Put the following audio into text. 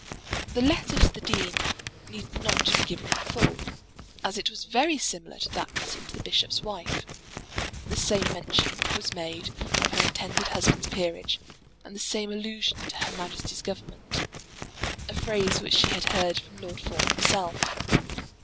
The letter to the dean need not be given in full, as it was very similar to that written to the bishop's wife. The same mention was made of her intended husband's peerage, and the same allusion to Her Majesty's Government, a phrase which she had heard from Lord Fawn himself.